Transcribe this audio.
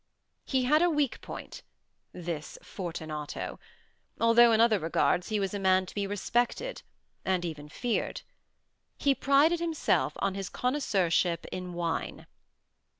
He had a weak point—this Fortunato—although in other regards he was a man to be respected and even feared. He prided himself on his connoisseurship in wine.